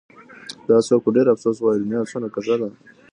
دا څوک په ډېر افسوس وايي : دنيا څونه کږه ده